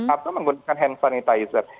atau menggunakan hand sanitizer